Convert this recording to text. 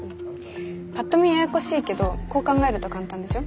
パッと見ややこしいけどこう考えると簡単でしょ？